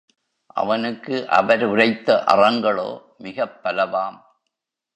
அவனுக்கு அவர் உரைத்த அறங்களோ மிகப் பலவாம்.